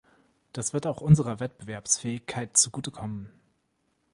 Das wird auch unserer Wettbewerbsfähigkeit zugute kommen.